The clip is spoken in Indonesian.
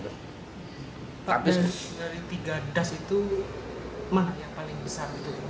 pak dari tiga das itu mah yang paling besar